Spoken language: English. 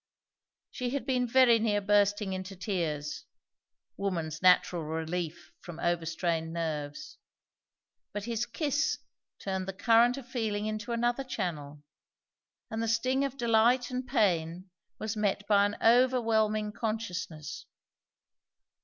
She had been very near bursting into tears, woman's natural relief from overstrained nerves; but his kiss turned the current of feeling into another channel, and the sting of delight and pain was met by an overwhelming consciousness.